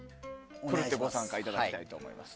ふるってご参加いただきたいと思います。